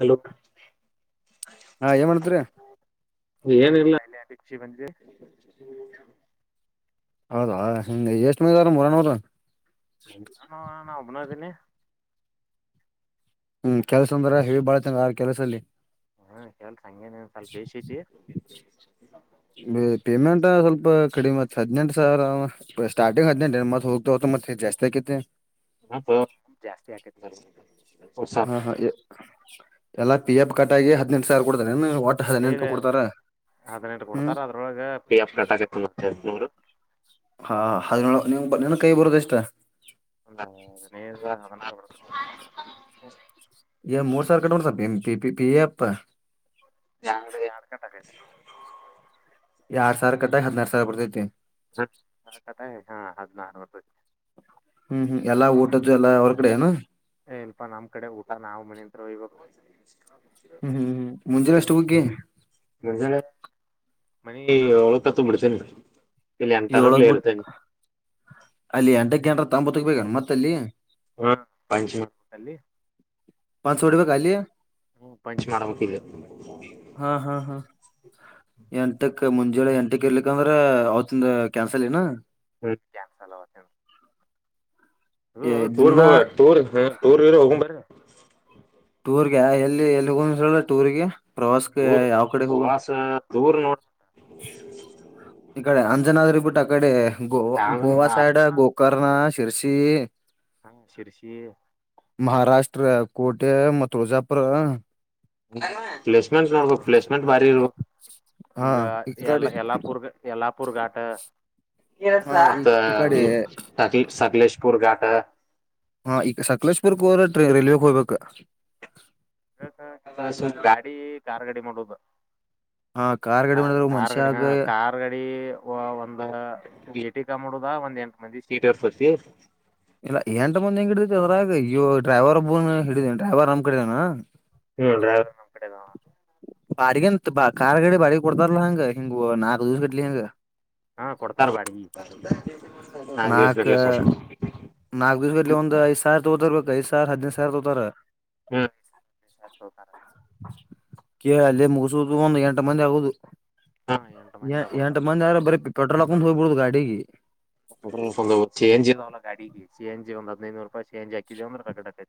Hello. ಹಾ ಏನ್ ಮಾಡತ್ರಿ. [unintelligible] ಹೌದಾ ಹಿಂಗ್ ಎಷ್ಟ ಮಂದಿ ಅದಾರ ನಮ್ಮ ಉರಾನೋರ್. [unintelligible] ನಾನು ಅಣ್ಣಾ ಒಬ್ನ ಅದ್ದೀನಿ. ಹ್ಮ್ ಕೆಲ್ಸ ಅಂದ್ರ ಹೆವಿ ಭಾಳ ಐಯ್ತೀ ಹಂಗಾರ ಕೆಲ್ಸ ಅಲ್ಲಿ. ಹ್ಮ ಕೆಲ್ಸ ಹಂಗೇನಿಲ್ಲ ಸ್ವಲ್ಪ ಬೇಶ ಐತಿ. ಬೇ ಪೇಮೆಂಟ್ ಸ್ವಲ್ಪ ಕಡಿಮ ಐತಿ ಹದಿನೆಂಟ ಸಾವ್ರ ಸಾರ್ಟಿಂಗ್ ಹದಿನಂಟ ಮತ್ತ ಹೋಗ್ತ ಹೋಗ್ತಾ ಮತ್ತ ಜಾಸ್ತಿ ಆಕೈತಿ. ನೋಡಂ ತೊಗೊ ಜಾಸ್ತಿ ಆಕೇತ್ [unintelligible] ಹಾ ಹಾ ಎಲ್ಲಾ ಪಿ ಎಫ್ ಕಟಾಗಿ ಹದ್ನೆಂಟ ಸಾವ್ರ ಕೊಡ ಮಿನರಲ ವಾಟರ ಇಲ್ಲ ಹದಿನೆಂಟುಕ್ ಕೊಡ್ತಾರ. ಹದಿನೆಂಟು ಹ್ಮ್ ಕೊಡ್ತಾರ ಅದ್ರೊಳಗೆ ಪಿ ಎಫ್ ಕಟ್ಟಾಗುತ್ತೆ ಮತ್ತೆ ನೂರು. ಹಾ ಹದ ನೀ ನನ್ ಕೈಗ ಬರೋದೆಷ್ಟು. ಒಂದು ಹದಿನೈದು [unintelligible] ಈ ಮೂರ್ ಸಾವಿ ಕಟ್ಕೊಂತಾರೆ ಎಂಪಿಪಿ ಪಿ ಎಪ್. ಯಂಗಡೆ ಎರಡು ಕಟ್ಟಾಗೈತಿ. ಎರಡ್ ಸಾವಿರ ಕಟ್ಟ ಅಗಿ ಹದಿನಾರ ಸಾವಿರ ಬರ್ತೈತಿ. ಆ ಕಥಾಯ ಹಾ ಹದಿನಾರು ಬರ್ತಾ ಇದೆ. ಹ್ಮ್ ಹ್ಮ್ ಎಲ್ಲಾ ಊಟದ್ದು ಎಲ್ಲಾ ಅವರ ಕಡೆ ಏನು. ಏ ಇಲ್ಪಾ ನಮ್ ಕಡೆ ಊಟ ನಾವು ಮನೆಯಿಂದ ತರ್ಬೇಕು. ಹ್ಮ್ ಹ್ಮ್ ಹ್ಮ್ ಮುಂದಿನ ಅಷ್ಟು ಹುಗ್ಗಿ. ಮನೆ ಒಳ ತ ತು ಬಿಡ್ತೀನಿ. ಏಳಕ್ ಬಿಟ್ಟ ಅಲ್ಲಿ ಎಂಟ ಗಂಟ ತಂಬತ್ತಕ್ಬೇಕಣ ಮತ್ತ ಅಲ್ಲಿ. ಹ್ಮ ಪಂಚಮ ತಲ್ಲಿ. ಪಾಂಚ್ ಸೌಡಪಾಯಿ ಖಾಲಿ. ಹ್ಮ ಪಂಚ್ ಮಾಡ್ಬೇಕ್ ಈಗ. ಹಾ ಹಾ ಹಾ ಎಂಟಕ್ ಮುಂಜಳೆ ಎಂಟಕ್ ಇರ್ಲಿಕ್ಕ ಅಂದ್ರ ಅವತ್ತಿಂದ ಕ್ಯಾನ್ಸಲ್ ಏನಾ. ಹು ಏ ಹು ಟೂರ್ ದಿನ ಟೂರ್ ಹೋಗರ ಟೂರ್ ಗೀರ್ ಹೋಗ ಬಾರೆ. ಟೂರ್ಗ ಎಲ್ಲಿ ಎಲ್ಲಿಗ್ ಒಂದಸ ಟೂರ್ಗೆ. ಪ್ರವಾಸಕ್ಕೆ ಟೂರ್ ಯಾವ ಕಡೆ ಹೋಗಣ. ಪ್ರವಾಸ ದೂರ್ ನೋಡ್ ಈಕಡೆ ಅಂಜನಾದ್ರಿ ಬಿಟ್ಟ ಅ ಕಡೆ ಗೋವಾ ಗೋವಾ ಸೈಡ್ ಗೋಕರ್ಣ ಶಿರ್ಸಿ. ಹಾ ಶಿರಿಸಿ. ಮಹಾರಾಷ್ಟ್ರ ಕೋಟೆ ಮತ್ತು ಬಿಜಾಪುರ. ಪ್ಲೆಸ್ಮೆಂಟ್ ನೊಡ್ಬೇಕು ಪ್ಲಸ್ಮೆಂಟ್ ಬಾರಿ ಇ ಹಾ ಹಿಂಗ ಈ ಎಲ್ಲ ಕಡೆ ಯಲ್ಲಾಪುರ್ ಗೆ. ಯಲ್ಲಾಪುರ್ ಘಾಟ್ ಹ ಈ ಮತ್ತ ಈ ಕಡೆ ಮತ್ತ ಸಕಲೇಶ್ [unintelligible] ಪುರ್ಘಾಟ. ಹಾ ಈಗ ಸಕಲೇಶ್ಪುರ್ ಹೋದ್ರೆ ಟ್ರ ರೈಲಿಗೆ ಹೋಗ್ಬೇಕ. ಗಾಡಿ ಕಾರ್ ಗಡಿ ಮಾಡುವುದು ಹಾ ಕಾರ್ ಗಾಡಿ ಮಾಡಿದ್ರ ಕಾರ್ ಗಡಿ ಹಾ ಮನುಷ್ಯಾಗ ಕಾರ್ ಗಡಿ. ವಓ ಒಂದ ಎ ಟಿ ಕ ಮಾಡುದ ಒಂದ್ ಎಂಟ್ ಮಂದಿ ಸೀಟರ್ಸ ಇಲ್ಲ ಎಂಟ್ ಮಂದಿ ಹೆಂಗ್ ಹಿಡಿತೈತಿ ಅದ್ರಾಗ ಊ ಡ್ರೈವರ್ ಒಬನು ಹಿಡಿದನಿ ಡ್ರೈವರ್ ನಮ್ ಕಡಿದನ. ಹ್ಮ್ ಡ್ರೈವರ್ ನಮ್ಮ್ ಕಡೆದಾವ. ಬಾಡಿಗೇಂತ ಬ ಕಾರ್ ಗಾಡೆ ಬಾಡಿಗೆ ಕೊಡ್ತಾರಲ್ಲಾ ಹಂಗ ಹಿಂಗ್ ನಾಕ್ ಇರಿಡ್ಲಿ ಹಂಗ. ಹಾ ಕೊಡ್ತಾರ ಬಾಡಿಗಿ ನಾಕ್ ದಿವ್ಸ ನಾಕ ಗಟ್ಲೆ ಕೊಡ್ತಾರ ನಾಗಕ್ ದೀದಲ್ಲಿ ಒಂದು ಐದ ಸಾವಿರ ತಗೊತಿರ್ಬೇಕು ಐದ ಸಾವರ ಹದಿನೈದು ಸಾವಿರ ತೋತಾರೆ. ಹ್ಮ ತೋತರ. ಕೆ ಅಲ್ಲೇ ಮುಗಸುದು ಒಂದು ಎಂಟು ಮಂದಿ ಆಗುದು. ಹಾ ಎಂಟು ಮಂದಿ ಎ ಆಗ್ಬೇಕ ಎಂಟ ಮಂದಿ ಅದ್ರೆ ಬರೀ ಪೆಟ್ರೋಲ್ ಹಾಕೊಂಡು ಹೋಗ್ಬಿಡುದು ಗಾಡಿಗೆ. ಒಂದು ಚೇಂಜಿ ಇಲ್ಲವಲ್ಲ ಗಾಡಿಗೆ ಚೇಂಜಿ ಒಂದ ಹದಿನೈದುನೂರು ರಪಾಯಿ ಚೇಂಜ್ ಹಾಕಿದೀ ಅಂದ್ರೆ ಕಗಡಾಕತಿ.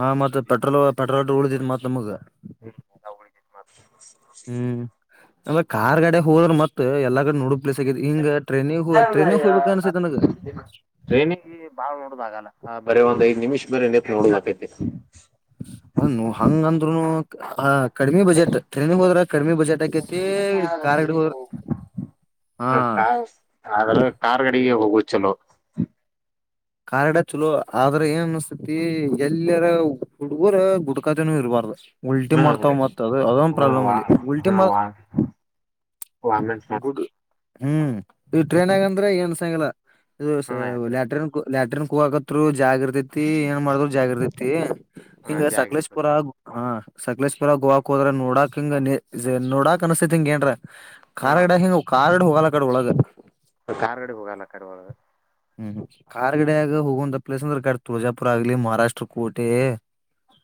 ಹಾ ಮತ್ತತ್ ಪೆಟ್ರೋಲ್ ಪೆಟ್ರೋಲ್ ಉಳಿದರಿ ಮತ್ತ್ ನಮಗ. [inaudible] ಕಾರ್ಗಡೆ ಹೋದ್ರೆ ಮತ್ತ ಎಲ್ಲ ನೋಡ ಪ್ಲೇಸ್ ಆಗಿ ಹಿಂಗ ಟ್ರೈನಿಗೆ ಹ ಟ್ರೈನೇ ಹೋಗ್ಬೇಕ ಅನ್ಸೈ ನನಗ. ಟ್ರೈನಿಂಗಗೆ ಬಾಳ್ ನೋಡದಾಗಲ್ಲ ಬರ ಒಂದ್ಐದ್ ನಿಮಿಷ ಮೇಲೆತ್ ನೋಡಬೇಕೈತಿ. ಅದನು ಹಂಗಂದ್ರುನು. ಕಡಿಮಿ ಬಜೆಟ್ ಟ್ರೈನಿಗ್ ಹೋದ್ರೇ ಕಡಿಮಿ ಬಜೆಟ್ ಆಕೇತಿ ಕಾರ್ಗಡೆ ಹೋದ್ರೆ ಹ ಆದ್ರ ಕಾರ್ ಕಾರ್ ಗಾಡಿಗೆ ಹೋಗುದ್ ಚಲೋ. ಕಾರ್ ಗಾಡಿ ಚಲೋ ಆದ್ರ ಏನ್ ಅನಸ್ತತಿ ಎಲ್ಲರ ಹುಡುಗರ ಗುಡ್ಕಾಜನೂ ಇರಬಾರ್ದು. ಉಲ್ಟಿ ಮಾಡ್ತಾವ್ ಹ್ಮ್ ಮತ್ ಅದು ಅದೊಂದು ಪ್ರಾಬ್ಲಮ್ ಅಲ್ಲಿ ಉಲ್ಟಿ ವಾಮಿಟ್ ಮಾಡ್ ಗುಡ್ ಹ್ಮ್ ಈ ಟ್ರೈನ್ ಆಗಂದ್ರೆ ಏನ್ ಅನ್ಸಗಿಲ್ಲ ಹ್ಮ ಲ್ಯಾಟ್ರಿನ್. ಲ್ಯಾಟ್ರಿನ್ ಕುವಕತ್ರು ಜಾಗಿರ್ತತಿ ಏನ್ ಮಾಡ್ರು ಜಾಗಿರ್ತತಿ ಹಿಂಗ ಜಾಗ ಸಕ್ಲೇಶಪುರ ಇರ್ತತಿ ಹ. ಸಕ್ಲೇಶಪುರ ಗೋವಾ ಕೊದ್ರಾ ನೋಡಾಕ್ ಹಿಂಗ್ ಆನಿ ನೋಡಕ್ ಅನುಸ್ತಾತ್ ಹಿಂಗ್ ಏನ್ರ. ಕಾಲ ಹ್ಮ ಇಡಂಗಗಿವ್ ಕಾಲ್ ಇಡು ಹೋಗಲ ಕಡೆ ಒಳಗ. ಕಾರ್ ಇಡು ಹೋಗಲ್ ಅಕಾಡಿ ಒಳಗ. ಹ್ಮ್ ಕಾರ್ ಗಿಡಗ ಹೋಗುವಂತ ಪ್ಲೇಸ್ ಅಂದ್ರೆ ಇಕಡೆ ತುಳಜಾಪುರ ಆಗ್ಲಿ ಮಹಾರಾಷ್ಟ್ರ ಕೋಟೆ.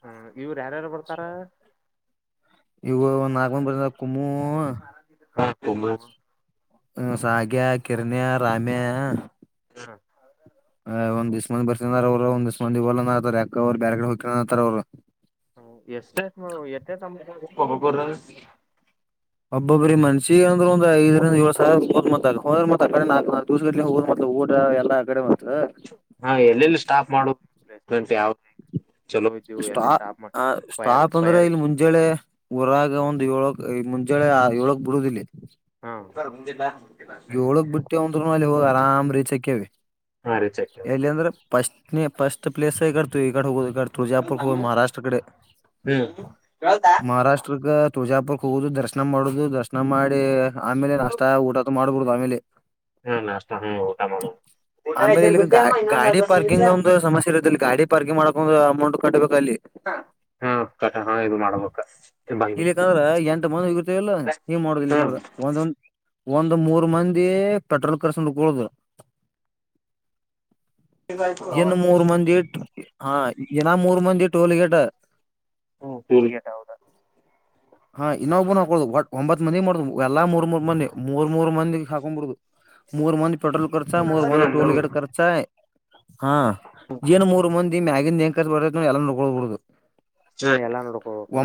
ಹಾ ಇವ್ರು ಯಾರ್ಯಾರು ಬರ್ತಾರ. ಇವು ನಾಕ್ ಮಂದಿ ಬರ್ತಾರಾ ಕುಮು. ಹ ಹ್ಮ ಸಾಗ್ಯಾ ಕಿರಣ್ಯ ರಾಮ್ಯಾ. ಹ್ಮ. ಹಾ ಒಂದ್ ಇಷ್ಟ್ ಮಂದಿ ಬರ್ತಿನ್ ಅಂದರ್ ಅವ್ರು ಒಂದಿಷ್ಟ್ ಮಂದಿ ಬರಲ್ ಅನಕಾತಾರ್ ಯಾಕ ಅವ್ರು ಬ್ಯಾರ್ ಕಡೆ ಹೋಕಿವ್ ಅನಕಾತಾರ್ ಅವ್ರು. ಹ ಎಷ್ಟ್ ಎಷ್ಟ್ ನೋಡ್ ಎಷ್ಟ್ ಎಷ್ಟ್ ತಂಬಾರ್ಬಕು ಒಬಬೂರು. ಒಬ್ಬ್ರ ಮನ್ಷಿ ಅಂದ್ರ ಒಂದ ಐದ್ರಿಂದ್ ಏಳ್ ಸಾವ್ರ [unintelligible] ನಾಕ್ ನಕ್ ದಿವಸ ಗಟ್ಲೆ ಹೋ ಊಟ ಎಲ್ಲ. ಹಾ ಎಲ್ಲೆಲ್ಲಿ ಸ್ಟಾಫ್ ಮಾಡೋದು ಮತ್ತೆ ಪ್ಲೇಸ್ಮೆಂಟ್ ಯಾವ್ದ. ಸ್ಟಾ ಆ ಸ್ಟಾಪ್ ಅಂದ್ರೆ ಫೈರ್ ಇಲ್ಲಿ ಮುಂಜಳೆ ಊರಾಗ ಒಂದ್ ಏಳಕ್. ಮುಂಜಳೆ ಏಳುಕ್ ಬಿಡೋದಿಲ್ಲಿ. ಹ್ಮ ಸರ್ ಮುಂದಿಡ್ಲಾ. ಏಳುಕ್ ಬಿಟ್ಟೆ ಅಂದ್ರುನು ಅಲ್ಲಿ ಹೋಗಿ ಆರಾಮ್ ರೀಚ್ ಹಕ್ಯವಿ ಹಾ ರೀ ಚೆಕ್ ಎಲ್ಲಿ ಅಂದ್ರೆ ಪಸ್ಟ್. ನೀ ಪಸ್ಟ್ ಪ್ಲಸ್ಸೇ ಇತು ಈಕಡೆ ಹೋಗೋದ್. ಈಕಡೆ ತುಳಜಾಪುರುಕ್ ಹ್ಮ್ ಹೋಗುಮ್ ಮಹಾರಾಷ್ಟ್ರ ಕಡೆ ಹ್ಮ ಮಹಾರಾಷ್ಟ್ರಗ. ತುಳಜಾಪುರಕ್ಕೆ ಹೋಗೋದು ದರ್ಶನ ಮಾಡೋದು ದರ್ಶನ ಮಾಡಿ ಆಮೇಲೆ ನಷ್ಟ ಊಟದ ಮಾಡ್ಬಿಡುದು ಆಮೇಲೆ. ಹ್ಮ್ ನಾಷ್ಟ ಹ್ಮ ಊಟ ಮಾ ಆಮೇಲೆ ಇಲ್ಲಿಗ ಗಾ ಗಾಡಿ ಪಾರ್ಕಿಂಗ್ ಒಂದು ಸಮಸ್ಯೆ ಇರುತ್ತೆ ಇಲ್ಲಿ ಗಾಡಿ ಪಾರ್ಕಿಂಗ್ ಮಾಡಕೊ ಅಂದ್ರು ಅಮೌಂಟ್ ಕಟ್ಟಬೇಕು ಅಲ್ಲಿ ಹಾ ಕರೆಕ್ಟ್ ಹಾ ಇದು ಮಾಡ್ಬೇಕ. ಬಾಯ್ ಹ್ಮ್ ಯದಿಕಂದ್ರ ಎಂಟ್ ಮಂದಿ ಹೋಗಿರ್ತೀವಲ್ಲ ಇಂಗ್ ಮಾಡುದು ಇಲ್ಲಿ ಹ್ಮ್ [unintelligible] ಒಂದೊಂದ್. ಒಂದ್ ಮೂರ್ ಮಂದಿ ಪೆಟ್ರೋಲ್ ಖರ್ಚ್ ನೋಡ್ಕೊಳೋದು. ಇನ್ ಮೂರು ಮಂದಿ. ಹಾ ಇನ ಮೂರ್ ಮಂದಿ ಟೋಲ್ ಗೇಟ್. ಹ್ಮ್ ಟೋಲ್ಗೆಟ್ ಹೌದಾ. ಹಾ ಇನ್ನೊಬ್ಬ ಹಾಕೊಳೋದು ಒಟ್ ಒಂಬತ್ ಮಂದಿ ಮಾಡುದು ಎಲ್ಲಾ ಮೂರ್ ಮೂರ್ ಮಂದಿ ಮೂರ್ ಮೂರ್ ಮಂದಿ ಹಾಕೊಂಬಿಡೋದು. ಮೂರ್ ಮಂದಿ ಪೆಟ್ರೋಲ್ ಖರ್ಚ ಮೂರ್ ಮಂದಿ ಟೋಲ್ ಹ್ಮ್ ಗೇಟ್ ಖರ್ಚ. ಹಾ ಇನ್ ಮೂರ್ ಮಂದಿ ಮ್ಯಾಗಿಂದ ಏನ್ ಖರ್ಚ್ ಬರ್ತಾತ್ ನೋಡ್ ಎಲ್ಲ ನೋಡ್ಕೊಳ್ ಬಿಡೋದು. [unintelligible] ಎಲ್ಲ ನೋಡ್ಕೋಬಕು.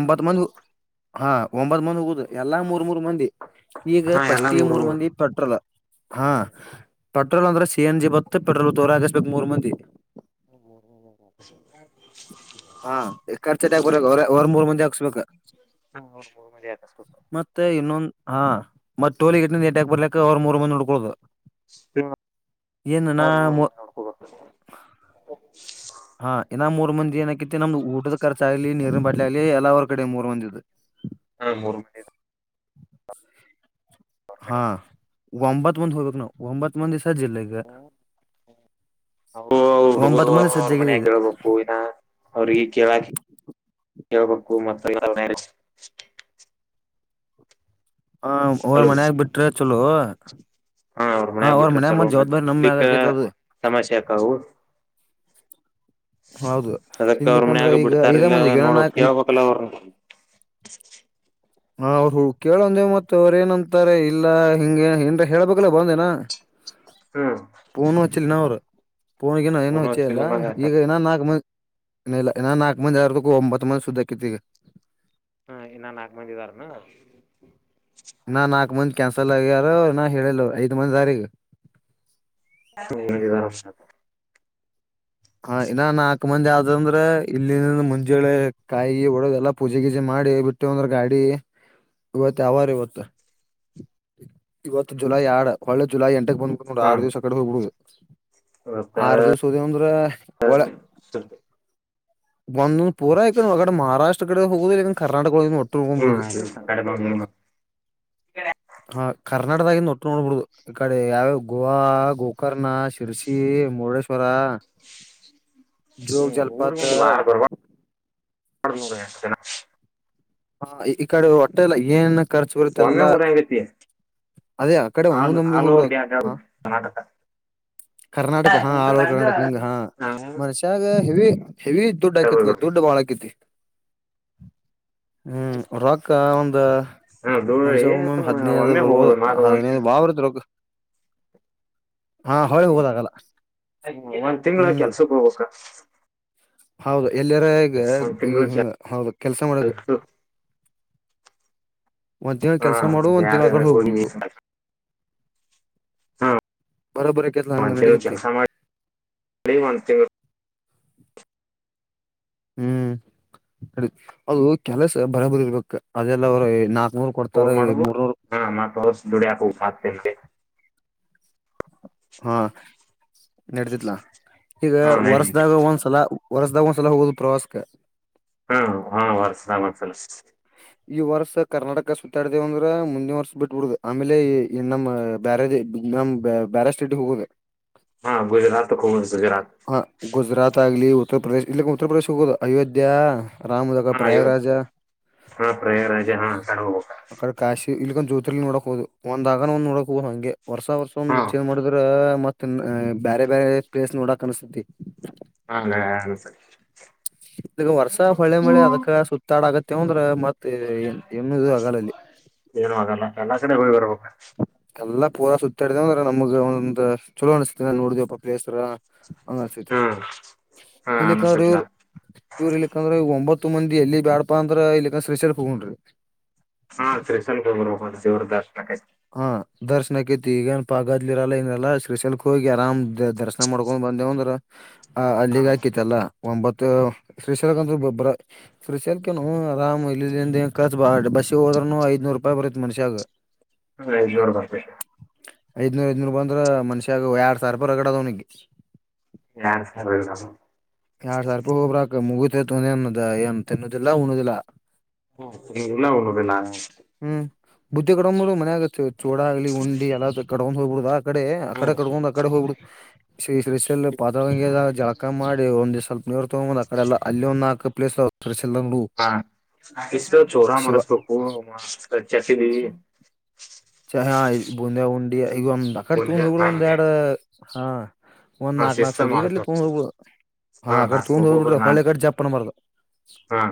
ಹಾ ಒಂಬತ್ ಮಂದಿ ಹೋಗುದು ಎಲ್ಲಾ ಮೂರ್ ಮೂರ್ ಮಂದಿ. ಈಗ ಹಾ ಎಲ್ಲ ಪಾಸ್ಟಿಗ್ ಮೂರು ಮೂರ್ ಮಂದಿ ಪೆಟ್ರಲ್ ಹಾ. ಹ್ಮ್ ಪೆಟ್ರೋಲ್ ಅಂದ್ರೆ ಸಿ ಎನ್ ಜಿ ಬತ್ತ ಪೆಟ್ರೋಲ್ ತೋರ ಹಾಕುಸ್ಬೇಕ್ ಮೂರ್ ಮಂದಿ. ಹ. ಹಾ ಖರ್ಚ್ ಆರ ಹೊ ಹೊರ್ ಮೂರ್ ಮಂದಿ ಹಾಕ್ಸ್ಬೇಕ. ಮೂರ್ ಮಂದಿ ಹಾಕಸ್ಬೇಕು ಮತ್ತೆ ಇನೊಂದ್ ಹಾ ಮತ್ ಟೋಲ್ ಗೇಟ್ನಿಂದ್ ಏಟ್ಯಾಕ್ ಬರ್ಲಿಕ್ಕ ಅವ್ರ ಮೂರ್ ಮಂದಿ ನುಡ್ಕೊಳೋದು. [unintelligible] ನೋಡ್ಕೊ. ಹಾ ಇನ್ನ ಮೂರ್ ಮಂದಿ ಏನ ಆಕಿತಿ ನಮ್ದ ಊಟದ ಖರ್ಚ ಆಗ್ಲಿ ನೀರಿನ್ ಬಾಟ್ಲಿ ಆಗ್ಲಿ ಎಲ್ಲಾ ಅವರ್ ಕಡೆ ಮೂರು ಮಂದಿದು. ಹಾ ಮೂರ್ ಮನೆ. ಹಾ ಒಂಬತ್ ಮಂದ್ ಹೋಗದು ನಾವು ಒಂಬತ್ ಮಂದ್. ಅವರ್ ಅವರ್ ಹುಡ್ಗುರು ಒಂಬತ್ ಮಂದಿ ಅವ್ರ್ ಅವ್ರ್ ಸಜ್ಜಾಗಿಲ್ಲ ಮನೆಗ್ ಈಗ ಕೇಳ್ಬೇಕು ಇನ್ನ ಅವ್ರಿಗೆ ಕೇಳಕೆ. ಕೇಳ್ಬೇಕು ಮತ್ ಹ ಅವರ್ ಹಲೋ ಮನ್ಯಾಗ್ ಬಿಟ್ರೆ ಚಲೋ. ಹಾ ಅವ್ರ ಮನ್ಯಾಗ್ ಬಿಟ್ರೆ ಮನ್ಯಾಗ ಚಲೋ ಮತ್ ಜವಾಬ್ದಾರಿ ನಮ್ ಮ್ಯಾಗ ಬಿಡ್ಲಿಕ್ಕ ಆಕೇತಿ ಅದು ಸಮಸ್ಯೆ ಯಕವು. ಹೌದು ಅದಕ್ಕ ಅವ್ರ ಇಲ್ಲಿಕಂದ್ರೆ ಮನಾಗ ಈಗ ಐದ ಬಿಡ್ತಾರಿಲ್ಲ ಮಂದಿಗೆ ಏನ ನೋಡ್ಬಾಕ್ ನಾಕ್ ಕೇಳ್ಬಕಾಲ ಅವ್ರನ್ನ. [unintelligible] ಹ ಅವ್ರು ಕೇಳಂದೇವ ಮತ್ ಅವ್ರ ಏನಂತಾರೆ ಇಲ್ಲಾ ಹಿಂಗೆ ಏನ್ರ ಹೇಳ್ಬೇಕಲ್ಲ ಬಂದ ಇನ್ನಾ. ಹ್ಮ್ ತಿನ್ನವ್ರ ಪೋನ ಗಿನ ಏನೂ ಅವನು ಹಚ್ಚೆ ಹಚ್ಚಿಲ್ಲ ಇಲ್ಲ ಅಂದಂಗ ಆತ ಈಗ ಇನ್ನ ನಾಲ್ಕ್ ಮಂದಿ ಇನ್ನ ಇಲ್ಲ ಇನ್ನ ನಾಕ ಮಂದಿ ಆಗ್ಬೇಕು ಒಂಬತ್ತ ಮಂದಿ ಸುದ್ದ ಅಕ್ಕೆತ್ ಈಗ. ಹಾ ಇನ್ನ ನಾಕ ಮಂದಿ ಇದಾರ ಏನ್. ಇನ್ನ ನಾಕ ಮಂದಿ ಕ್ಯಾನ್ಸಲ್ ಆಗ್ಯಾರ ಇನ್ನ್ ಹೇಳಿಲ್ಲ ಐದ್ ಮಂದಿ ಅದಾರ ಈಗ್. ಅಯ್ಯೋ ಶಭಾಷ್. ಹ ಇನ್ನ ನಾಕ ಮಂದಿ ಆದು ಅಂದ್ರ ಇಲ್ಲಿನ ಹಿಡಿದು ಮುಂಜಳೆ ಕಾಯಿ ಗಿಯಿ ಹೊಡೋದ ಎಲ್ಲಾ ಪೂಜೆ ಗೀಜೆ ಮಾಡಿ ಬಿಟ್ಟುವ ಅಂದ್ರ ಗಾಡಿ ಇವತ್ತು ಯಾವಾರ ಇವತ್ತ ಇವತ್ತ ಜುಲೈ ಯಾಡ್ ಹೊಳ್ಳೆ ಜುಲೈ ಎಂಟಕ್ ಬಂದ್ಬಿ ನೋಡ್ ಆರ ಹ್ಮ್ ದಿವ್ಸ ಅಕಡೆ ಹೋಗ್ಬಿಡುದ. ಆರ ದಿವ್ಸ ಹೋದೆವ್ ಅಂದ್ರ ಒಳೆ ಒಂದೊಂದು ಪೂರಾ ಇಕಡ್ ಒಗಡ ಮಹಾರಾಷ್ಟ್ರ ಕಡೆ ಹೋಗೋದಿಲ್ಲ್ ಕರ್ನಾಟಕ ಒಳಗಿನ ಹೋ ಬಂದ್ಬಿಡೋದ ಹಾ ಕರ್ನಾಟಕದಾಗಿಂದ ಒಟ್ಟು ನೋಡ್ಬಿಡುದ ಈ ಕಡೆ ಯಾವ್ಯಾವ ಗೋವಾ ಗೋಕರ್ಣ ಶಿರ್ಸಿ ಮುರುಡೇಶ್ವರ. ಹಾ ಹ್ಮ್ ಊರುಗ ಒಂದು ವಾರ ಬರ್ಬೆಕ್ [unintelligible] ಹ ಈ ಇಕಡೆ ಒಟ್ಟೆಲ್ಲ ಏನ್ ಏನ್ ಖರ್ಚ ಬರುತ್ತ ಒಮ್ಮೆ ಎಲ್ಲಾ ಹೋದಂಗೈತಿ ಅದೇ ಆ ಕಡೆ ಆಲ್ ಒಮ್ಮಂದಿ ಒಮ್ಮಲೆಗೆ ಆಲ್ ಓವರ್ ಹೋಗ್ಬಿಡಬೇಕ. ಇಂಡಿಯಾ ಕರ್ನಾಟಕ ಕರ್ನಾಟಕ ಹಾ ಆಲ್ ಓವರ್ ಕರ್ನಾಟಕ ಹಿಂಗ್ ಹಾ ಮನಷ್ಯಾಗ್ ಹೆವಿ ಹೆವಿ ದುಡ್ ಆಕ್ಕೆತ್ಲ ದುಡ್ಡ ಭಾಳ ಆಕ್ಕೆತಿ ಹ್ಮ್ ರೊಕ್ಕ ಒಂದ ದೂರ ಮನಷ್ಯಾಗ್ ಒಮ್ಮಮ್ಮ ಹದ್ನೈದ ಅದು ಒಮ್ಮೆ ಬರ್ಬೋದ ಹೋಗುದು ಮಾದು ಹದಿನೈದ ಭಾಳ ಬರ್ತೇತ ರೊಕ್ಕ. ಹಾ ಹೊಳಿ ಹೋಗೋದಾಗಲ್ಲ ಹ್ಮ್ ಒಂದ ತಿಂಗಳ ಕೆಲ್ಸಕ್ಕ ಹೋಗಬೇಕ. ಹೌದ ಎಲ್ಲಿರ ಇಗ ಒಂದ್ ಇದು ತಿಂಗಳ ಹಿಂಗ್ ಕೆಲ್ಸ ಹೌದು ಕೆಲ್ಸ ಮಾಡದ ಒಂದ್ ತಿಂಗಳು ಹಾ ಕೆಲ್ಸ ಮಾಡು ಒಂದ್ ತಿಂಗಳ ಯಾರ ಆಕಡ ಹೋಗಿ ಹೋಗ್ಬಿಡುದೂ. ಹಾ ಕೆತ್ಲ ಹಂಗ ಒಂದ್ ತಿಂಗ್ಳ ನಡಿತೈತಿ ಕೆಲ್ಸ ಮಾಡಿ ಒಂದ್ ತಿಂಗ್ಳ ಹ್ಮ್ ಅದು ಕೆಲಸ ಬರಬರಿ ಇರ್ಬೇಕ ಅದೆಲ್ಲ ಅವರು ನಾ [unintelligible] ಮಾಡೋದು ಹಂ ಮತ್ತ್ ವರ್ಷ್ ದುಡ್ಯಾಕ್ ಹೋಗ್ ಮತ್ತ್ ಇಲ್ಲೇ. ಹಾ ನಡಿತೇತ್ತ್ಲಾ ಈಗ ಹಾ ನಡಿ ವರ್ಸದಾಗ ಒಂದ್ಸಲ ವರ್ಸದಾಗ ಒಂದ್ಸಲ ಹೋಗೋದು ಪ್ರವಾಸಕ್ಕ ಹ್ಮ ಹಾ ವರ್ಸದಾಗ್ ಒಂದ್ಸಲಾ ಈ ವರ್ಷ ಕರ್ನಾಟಕ ಸುತ್ತಾಡ್ದೇವ ಅಂದ್ರ ಮುಂದಿನ ವರ್ಷ ಬಿಟ್ಬಿಡೋದ ಆಮೇಲೆ ಈ ನಮ್ಮ್ ಬ್ಯಾರೆದ ನಮ್ ಬ್ಯಾ ಬ್ಯಾರೆ ಸ್ಟೇಟ್ಗ್ ಹೋಗೋದ. ಹಾ ಗುಜರಾತ್ ಹೋಗುದು ಗುಜರಾತ್ ಹ ಗುಜರಾತ್ ಆಗ್ಲಿ ಊ ಉತ್ತರ ಪ್ರದೇಶ್ ಇಲ್ಲಿಕ್ಕ ಉತ್ತರ ಪ್ರದೇಶ್ ಹೋಗೋದ ಅಯೋಧ್ಯ ರಾಮಯಾಗ್ ಹಾ ಇವ್ ಪ್ರಯಾಗರಾಜ ಹಾ ಪ್ರಯಾಗರಾಜ್ ಹಾ ಆಕಡೆ ಹೋಗ್ಬೇಕ್. ಇಲ್ಲಕಂದ್ರ ಜ್ಯೋತಿರ್ಲಿಂಗ ನೋಡಕ್ ಹೋಗೋದು ಒಂದ್ ಆಗನಾ ಒಂದ್ ನೋಡಕ್ ಹೋಗೋದು ಹಂಗೆ ವರ್ಸ ವರ್ಸ ಹಾ ಒಂದ ಚೇಜ್ ಮಾಡಿದ್ರ ಮತ್ತ್ ಅ ಬ್ಯಾರೆ ಬ್ಯಾರೆ ಪ್ಲೇಸ್ ನೋಡಕ್ ಅನ್ಸತೇತಿ. ಹಾ ನ ಅನಸ್ತೆತ್. ಈಗ ವರ್ಷ ಹೊಳ್ಳೆ ಮಳ್ಳೆ ಅದಕ್ಕ ಸುತ್ತಾಡಕ್ಕತ್ತೇವಂದ್ರ ಮತ್ತ್ ಏನು ಆಗಲ್ಲ ಎಲ್ಲ ಕಡೆ ಹೋಗಿ ಬರ್ಬೇಕ. ಎಲ್ಲ ಪೂರ ಸುತ್ತಾಡದೇವ್ ಅಂದ್ರ ನಮಗ ಒಂದ ಚಲೋ ಅನಿಸ್ತೆತ ಎಲ್ಲಾ ನೋಡ್ದೇವ್ ಅಪ್ಪಾ ಪ್ಲೇಸ್ ರ ಅನಸ್ತೆತ್ ಹ್ಮ್ ಹಾ ಇಲ್ಲಿಕ್ಕಂದ್ರೆ ಅನಸತ್ಲಾ ಇವ ಇವ್ರ ಇಲ್ಲಿಕ್ಕಂದ್ರೆ ಒಂಬತ್ತ ಹತ್ತು ಮಂದಿ ಎಲ್ಲಿ ಬ್ಯಾಡಪ ಅಂದ್ರ ಇಲ್ಲಿಕ್ಕ ಶ್ರೀಶಲ್ಕ ಹೋಗೋನ್ರೀ. ಹಾ ಶ್ರೀಶೈಲ್ ಹೋಗ್ ಬರಬೇಕ ನೋಡ್ ದೇವರ ದರ್ಶನ ಆಕೈತಿ. ಹ ದರ್ಶನ್ ಆಕೈತಿ ಈಗೇನ್ ಪಾ ಗದ್ಲ ಇರಲ್ಲ ಏನ್ ಇರಲ್ಲಾ ಶ್ರೀಶಲ್ಕ್ ಹೋಗಿ ಆರಾಮ್ ದ ದರ್ಶನ ಮಾಡ್ಕೊಂಡ್ ಬಂದೇಂದ್ರ ಆ ಹಾ ಅಲ್ಲಿಗೆ ಹಾಕಿತ್ತಲ್ಲ ಒಂಬತ್ತು ಶ್ರೀಶಲಕ ಅಂದ್ರ ಬಬ ಶ್ರೀಶರ್ಕನು ಆರಾಮ್ ಇಲ್ಲಿ ಕ ಬಾ ಬಸಿ ಹೋದ ಐದುನೂರು ರೂಪಾಯಿ ಬರುತ್ತ ಮಷ್ಯಾಗ ಹ ಜೋರ್ ಬರ್ತ ಐದ್ನೂರ ಐದನೂರು ಬ ಅಂದ್ರ ಮನ್ಷ್ಯಾಗ ಎರಡ್ ಸಾವಿ ರೂಪಾಯಿ ರರಡದ ಅವನಿಗೆ ನ್ ಎರಡ್ ಸಾವಿರ ರೂಪಾಯಿ ಹೋಗಬ್ರಾಕ್ ಮುಗತಿತ್ಂದದ ಏನ್ ತಿನ್ನುದಿಲ್ಲ ಉಣುದಿಲ್ಲ ಹ್ಮ ನಿಲ್ಲ ಒ್ಣದ ನಾನ ಬುದ್ದಿ ಕಡೊಂಡಂಬ್ರ ಮನ ಆಗತ್ತೆ ಚೋಡ ಆಗ್ಲಿ ಉಂಡಿ ಎಲ್ಲ ಕಡೊಂಡ ಹೋಗ್ಬ ಬಿಡುದ ಆ ಕಡೆ ಆಕಡೆ ಕಡ್ಕೊಂಡ್ ಆಕಡೆ ಹೋಗಬಿ ಸಷಲ್ಲಿ ಪಾತ್ರಂಗಗೆದ ಜಳಕ ಮಾಡಿ ಒಂದ ದ್ ಸ್ವಲ್ಪ ನೀವರ್ ತಗೊ್ ಅ ಕಡೆ ಎಲ್ಲಲ್ಲಿ ಒಂದ ನಾಕಕ್ ಪಲೇಸ್ ಹಾ ನ ಇಷ್ಟ ಚೋರಾ ಶಿವ ಮರಸ್ಬೇಕು ಚೆಟ್ಟಿದೀವಿ ಹಾ ಬೂಂದೆ ಉುಂಡಿ ಈಗ ಒಂದು ಅಕಡೆ ತುಂಬ್ ಬುಂದ್ಯಾ ಹಗಳು ಒಂದ್ ಎರಡು ಹಾ ಒಂದ್ ಹಾ ನಾಕ್ ನಾಕ್ ಸೊ ಶಿಸ್ತ ಈಗಡ ಮಾಡ್ತಾರ ತ ಹೋಗಬ ಬಿ ಹಾ ಆ ನಾ ಕಡೆ ತೂಂದ್ ಹೋಗ್ಬ ಒಬ್ಬೊಬ್ಬ್ರ ಬಿಡ್ರಿ ನಾ ಹೊಳೆ ಕಡೆ ಜಪ್ಪನ ಮಾರ್ದ ಹಾ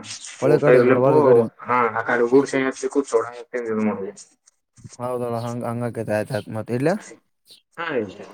ಊಟಬು ಕಡೆ ಹಾ ಆಕ ರ ಗುಡ ಸ ಸಿ ಕೂೋ ತ ಮಾಡ ಹೌದಳ ಹಂಗ ಹಂಗಕತೆ ಆಯ್ತ ಆತ್ ಮತ್ತ ಇಲ್ಲಯ ಮಾಡುದು ಹಾ